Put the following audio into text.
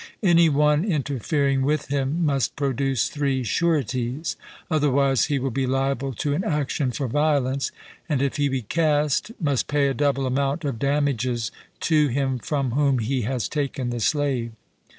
Any one interfering with him must produce three sureties; otherwise, he will be liable to an action for violence, and if he be cast, must pay a double amount of damages to him from whom he has taken the slave.